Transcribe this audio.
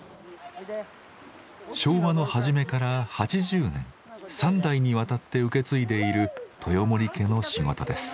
昭和の初めから８０年３代にわたって受け継いでいる豊森家の仕事です。